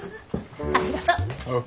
ありがとう。